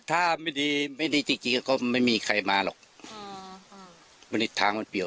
ถ้าไม่ดีจริงไม่มีใครที่มาเลย